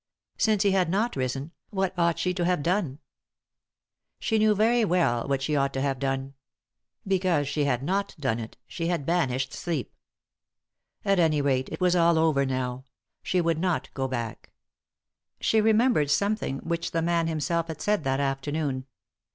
Since he had not risen, what ought she to have done ? She knew very well what she ought to have done. Because she had not done it she bad banished sleep. 186 ;«y?e.c.V GOOglC THE INTERRUPTED KISS At any rate, it was all over now. She would not go back. She remembered something which the man him self had said that afternoon.